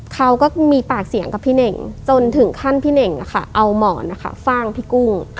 เขาก็มีปากเสียงกับพี่เน่งจนถึงขั้นพี่เน่งเอาหมอนฟ่างพี่กุ้ง